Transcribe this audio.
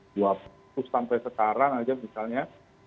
terus sampai sekarang aja misalnya